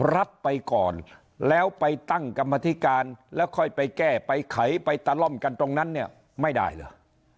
รับไปก่อนแล้วไปตั้งกรรมธิการแล้วค่อยไปแก้ไปไขไปตะล่อมกันตรงนั้นเนี่ยไม่ได้เหรอ